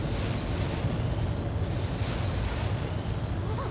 あっ。